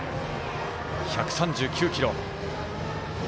１３９キロ。